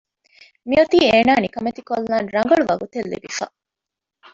މިއޮތީ އޭނާ ނިކަމެތިކޮށްލަން ރަނގަޅު ވަގުތެއް ލިބިފަ